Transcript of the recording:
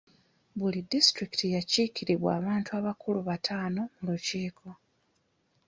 Buli disitulikiti yakiikirirwa abantu abakulu bataano mu lukiiko.